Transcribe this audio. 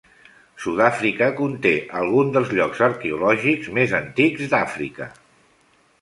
Sud-àfrica conté alguns dels llocs arqueològics més antics d'Àfrica.